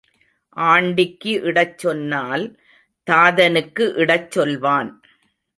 ஆண்டிக்கு இடச் சொன்னால் தாதனுக்கு இடச் சொல்வான்.